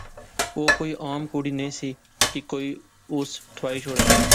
او کوئی ام کڑی نہسی کہ کوئی اس ٹھوائی شوڑے